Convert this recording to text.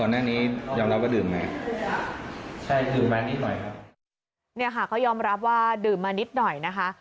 เนี่ยค่ะเขายอมรับว่าดื่มมานิดหน่อยนะคะ